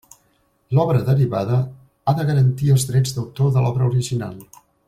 L'obra derivada ha de garantir els drets d'autor de l'obra original.